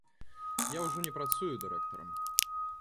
Я ўжо не працую дырэктарам.